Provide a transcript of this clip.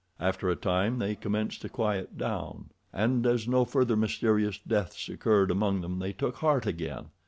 After a time they commenced to quiet down, and as no further mysterious deaths occurred among them they took heart again.